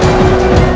aku sudah menang